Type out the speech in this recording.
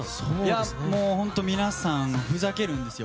皆さんふざけるんですよ。